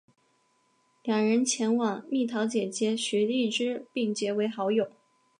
两人前往蜜桃姐姐徐荔枝并结为好友。